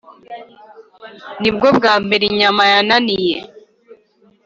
Nibwo bwambere inyama yananiye